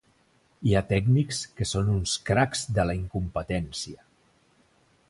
Hi ha tècnics que són uns cracs de la incompetència